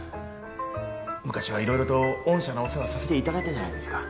昔は色々と御社のお世話させていただいたじゃないですか。